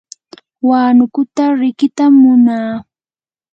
huanukuta riqitam munaa.